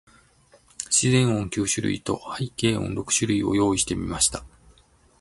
自然音九種類と、背景音六種類を用意してみました。